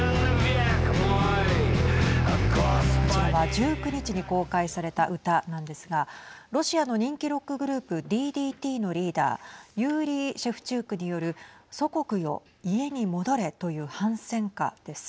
こちらは１９日に公開された歌なんですがロシアの人気ロックグループＤＤＴのリーダーユーリー・シェフチュークによる祖国よ、家に戻れという反戦歌です。